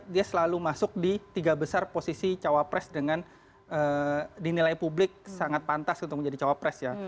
dia selalu masuk di tiga besar posisi cawapres dengan dinilai publik sangat pantas untuk menjadi cawapres ya